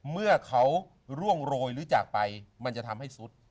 เมื่อเขาร่วงโรยหรือจากไปมันจะทำให้สุด